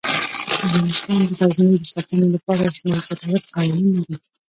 افغانستان د غزني د ساتنې لپاره یو شمیر ګټور قوانین لري.